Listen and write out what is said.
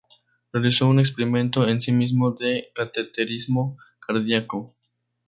Realizó un experimento en sí mismo de cateterismo cardíaco.